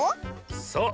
そう。